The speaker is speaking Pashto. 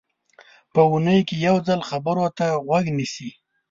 په اوونۍ کې یو ځل خبرو ته غوږ نیسي.